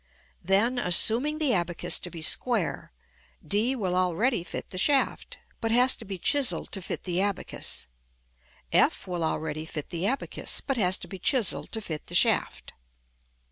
Then, assuming the abacus to be square, d will already fit the shaft, but has to be chiselled to fit the abacus; f will already fit the abacus, but has to be chiselled to fit the shaft.